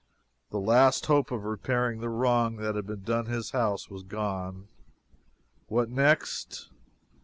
The last hope of repairing the wrong that had been done his house was gone. What next?